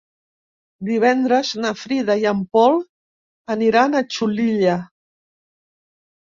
Divendres na Frida i en Pol aniran a Xulilla.